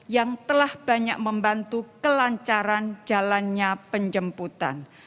yang telah banyak membantu kelancaran jalannya penjemputan